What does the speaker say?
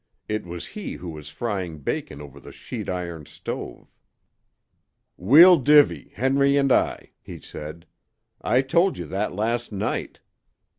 It was he who was frying bacon over the sheet iron stove. "We'll divvy, Henry and I," he said. "I told you that last night."